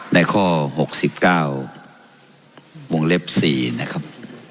ในข้อ๖๙วงเล็บ๔นะครับ